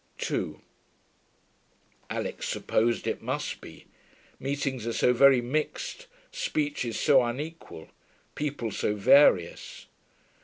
2 Alix supposed it must be. Meetings are so very mixed, speeches so unequal, people so various.